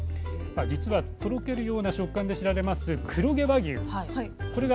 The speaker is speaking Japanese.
実はとろけるような食感で知られます黒毛和牛